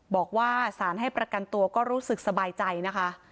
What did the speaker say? บอกว่าสารให้ประกันตัวก็รู้สึกสบายใจนะคะ